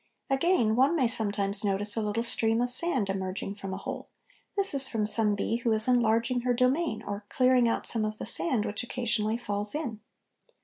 Again, one may sometimes notice a little stream of sand emerging from a hole; this is from some bee who is enlarging her domain or clearing out some of the sand which occasionally falls in.